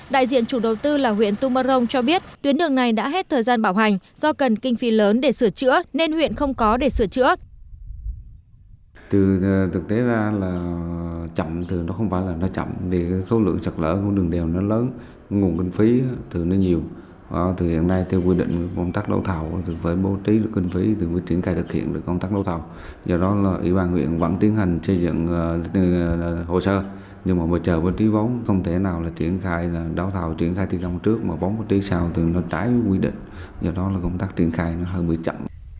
đại diện chủ đầu tư là huyện tumarong cho biết tuyến đường này đã hết thời gian bảo hành do cần kinh phí lớn để sửa chữa nên huyện không có để sửa chữa